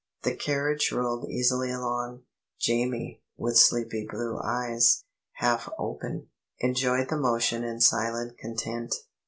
The carriage rolled easily along; Jamie, with sleepy blue eyes, half open, enjoyed the motion in silent content.